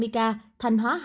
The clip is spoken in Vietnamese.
hai mươi ca thành hóa